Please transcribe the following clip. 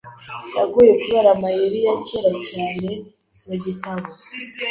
Yaguye kubera amayeri ya kera cyane mu gitabo.